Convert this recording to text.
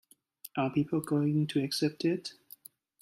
Are people going to accept it?